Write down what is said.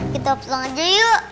kita pulang aja yuk